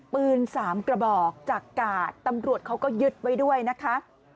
ปืน๓กระบอกจากกาดตำรวจเขาก็ยึดไว้ด้วยนะคะ